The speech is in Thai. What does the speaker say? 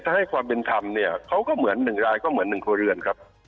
ถ้าให้ความเป็นธรรมเนี่ยเขาก็เหมือน๑รายก็เหมือน๑ครัวเรือนครับ